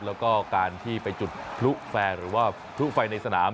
แล้วก็การที่ไปจุดพลุแฟร์หรือว่าพลุไฟในสนาม